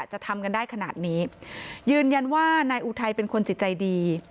จะทำกันได้ขนาดนี้ยืนยันว่านายอุทัยเป็นคนจิตใจดี